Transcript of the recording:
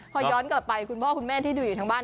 พอย้อนกลับไปคุณพ่อคุณแม่ที่ดูอยู่ทั้งบ้าน